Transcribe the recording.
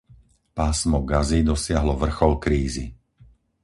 Pásmo Gazy dosiahlo vrchol krízy.